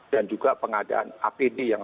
dan juga pengadaan apd yang